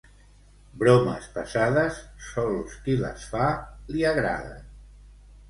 Bromes pesades, sols qui les fa li agraden.